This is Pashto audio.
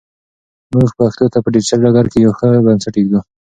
موږ پښتو ته په ډیجیټل ډګر کې یو ښه بنسټ ایږدو.